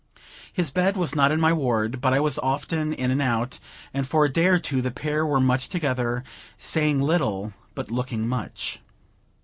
His bed was not in my ward; but I was often in and out, and for a day or two, the pair were much together, saying little, but looking much.